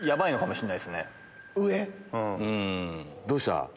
どうした？